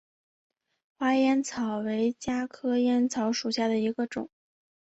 花烟草为茄科烟草属下的一个种。